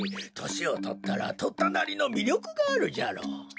としをとったらとったなりのみりょくがあるじゃろう。